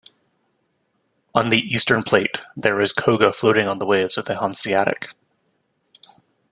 On the eastern plate, there is koga floating on the waves of the Hanseatic.